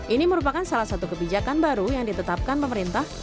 ini merupakan salah satu kebijakan baru yang ditetapkan pemerintah